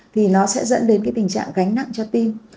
thì nó sẽ dẫn đến cái tình trạng gánh nặng cho tim